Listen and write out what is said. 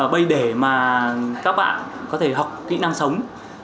bây để mà các bạn có thể học kỹ năng sống